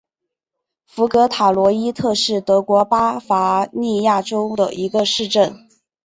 福格塔罗伊特是德国巴伐利亚州的一个市镇。